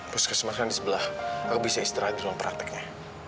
puskesmasnya di sebelah aku bisa istirahat di ruang prakteknya